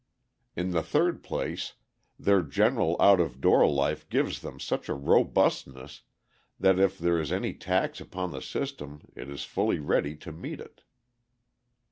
In the third place, their general out of door life gives them such a robustness that if there is any tax upon the system it is fully ready to meet it.